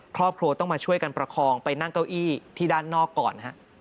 ครอบครัวต้องมาช่วยกันประคองไปนั่งเก้าอี้ที่ด้านนอกก่อน